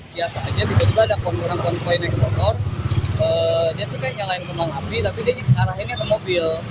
pada saat penumpang itu menyalakan kembang api tapi dia mengarahkannya ke mobil